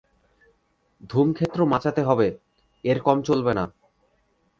ধূমক্ষেত্র মাচাতে হবে, এর কম চলবে না।